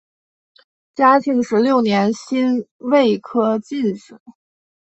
嘉庆十六年辛未科进士。